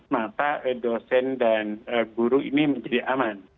maka dosen dan guru ini menjadi aman